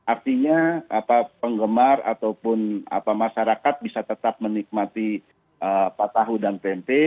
artinya penggemar ataupun masyarakat bisa tetap menikmati tahu dan tempe